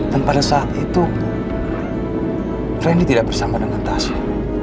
dan pada saat itu fendi tidak bersama dengan tasya